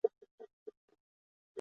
路的尽头就是大营盘小学。